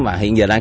và hiện giờ đang